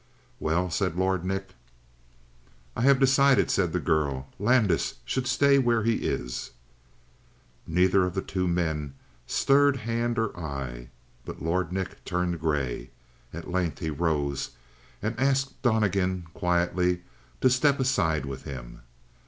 "Well?" said Lord Nick. "I have decided," said the girl. "Landis should stay where he is." Neither of the two men stirred hand or eye. But Lord Nick turned gray. At length he rose and asked Donnegan, quietly, to step aside with him.